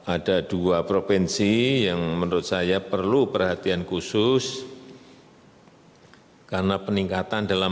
ada dua provinsi yang menurut saya perlu perhatian khusus karena peningkatan dalam